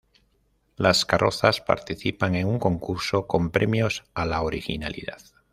Las carrozas participan en un concurso con premios a la originalidad.